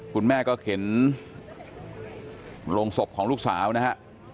คุณแม่ก็เข็นโรงศพของลูกสาวนะฮะ